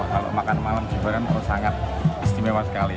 kalau makan malam di jimbaran itu sangat istimewa sekali